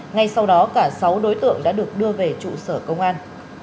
ngay sau đó cả sáu đối tượng đã được đưa về trụ sở công an